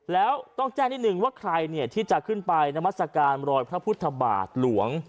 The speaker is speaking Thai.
แล้วต้องแจ้งนิดนึงว่าใครเนี่ยที่จะขึ้นไปนามัศกาลรอยพระพุทธบาทหลวง